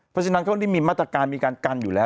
เพราะฉะนั้นเขาได้มีมาตรการมีการกันอยู่แล้ว